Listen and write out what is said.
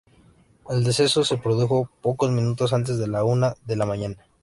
El deceso se produjo pocos minutos antes de la una de la mañana.